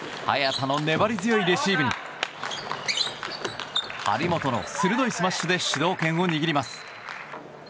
早田の粘り強いレシーブに張本の鋭いスマッシュで主導権を握ります。